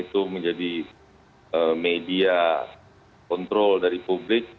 itu menjadi media kontrol dari publik